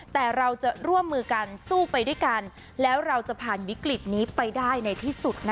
แต่เราจะร่วมมือกันสู้ไปด้วยกันแล้วเราจะผ่านวิกฤตนี้ไปได้ในที่สุด